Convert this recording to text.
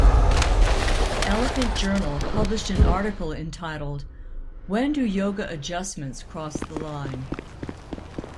"Elephant Journal" published an article entitled "When do Yoga Adjustments cross the line?